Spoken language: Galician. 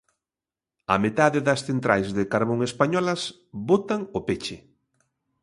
A metade das centrais de carbón españolas botan o peche.